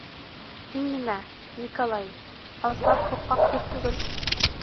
— Һин нимә, Николай, Ансар ҡурҡаҡ ир түгел.